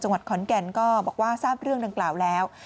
จังหวัดขอนแก่นก็บอกว่าทราบเรื่องดังกล่าวแล้ว